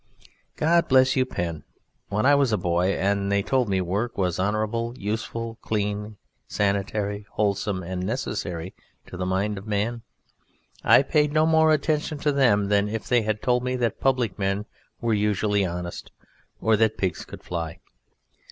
God bless you, pen! When I was a boy, and they told me work was honourable, useful, cleanly, sanitary, wholesome, and necessary to the mind of man, I paid no more attention to them than if they had told me that public men were usually honest, or that pigs could fly.